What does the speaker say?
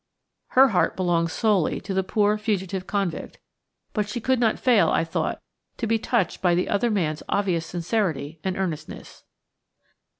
Her heart belonged solely to the poor, fugitive convict, but she could not fail, I thought, to be touched by the other man's obvious sincerity and earnestness.